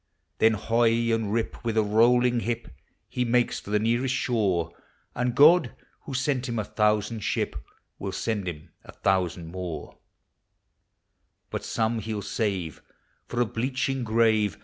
Then hoy and rip, with a rolling hip, He makes lor the nearest shore; And God, who sent him a thousand ship, Will send him a thousand more; But some he'll save for a bleaching grave.